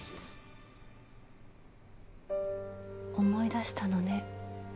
思い出したのね？